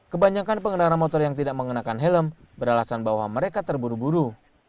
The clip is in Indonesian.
kebanyakan pengendara motor yang tidak mengenakan helm beralasan bahwa mereka terburu buru